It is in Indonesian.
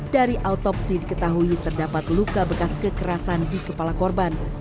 dari autopsi diketahui terdapat luka bekas kekerasan di kepala korban